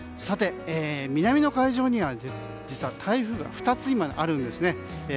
今、南の海上には台風が２つあるんですね。